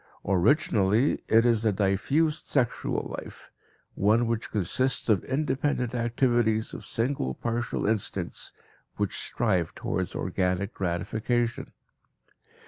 Originally it is a diffused sexual life, one which consists of independent activities of single partial instincts which strive towards organic gratification.